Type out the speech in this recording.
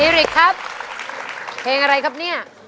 ริกครับเพลงอะไรครับเนี่ย